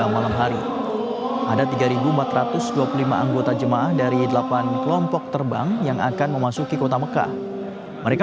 malam hari ada tiga ribu empat ratus dua puluh lima anggota jemaah dari delapan kelompok terbang yang akan memasuki kota mekah mereka